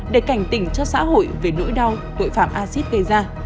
để cảnh tỉnh cho xã hội về nỗi đau tội phạm acid gây ra